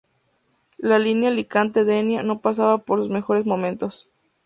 La línea Alicante-Denia no pasaba por sus mejores momentos.